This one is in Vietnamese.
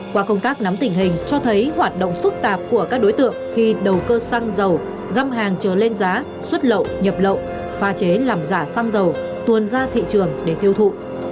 qua công tác nắm tình hình cho thấy hoạt động phức tạp của các đối tượng khi đầu cơ xăng dầu găm hàng chờ lên giá xuất lậu nhập lậu pha chế làm giả xăng dầu tuôn ra thị trường để tiêu thụ